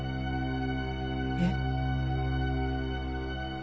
えっ？